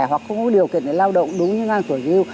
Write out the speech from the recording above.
hoặc không có điều kiện để lao động đúng như ngang của yêu